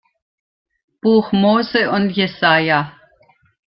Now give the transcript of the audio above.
Buch Mose und Jesaja.